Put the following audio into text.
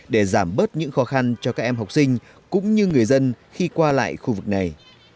để giảm bớt những khó khăn cho các em học sinh cũng như người dân khi qua lại khu vực này